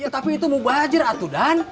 tapi itu mau bajer atuh dan